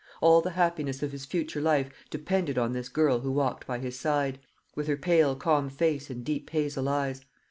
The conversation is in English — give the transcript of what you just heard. All the happiness of his future life depended on this girl who walked by his side, with her pale calm face and deep hazel eyes.